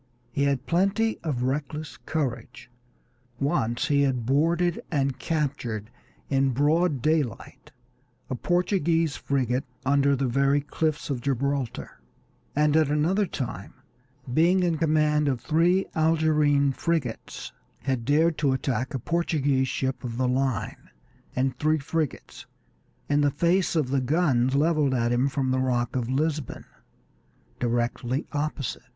He had plenty of reckless courage; once he had boarded and captured in broad daylight a Portuguese frigate under the very cliffs of Gibraltar, and at another time, being in command of three Algerine frigates, had dared to attack a Portuguese ship of the line and three frigates, in face of the guns leveled at him from the Rock of Lisbon, directly opposite.